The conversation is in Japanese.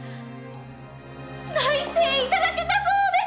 内定いただけたそうです！